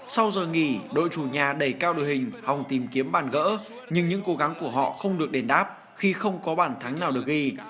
sau giờ nghỉ đội chủ nhà đẩy cao đội hình hòng tìm kiếm bàn gỡ nhưng những cố gắng của họ không được đền đáp khi không có bàn thắng nào được ghi